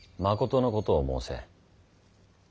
まことのことを申せ。